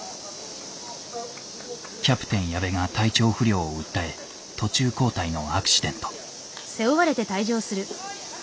キャプテン矢部が体調不良を訴え途中交代のアクシデント。